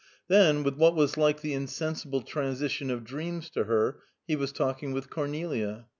Then, with what was like the insensible transition of dreams to her, he was talking with Cornelia.